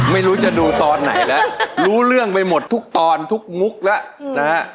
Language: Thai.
ไม่รู้จะดูตอนไหนแล้วรู้เรื่องไปหมดทุกตอนทุกมุกแล้วนะฮะ